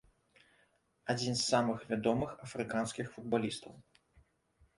Адзін з самых вядомых афрыканскіх футбалістаў.